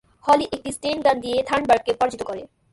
হলি একটি স্টেনগান দিয়ে থর্নবার্গকে পরাজিত করে।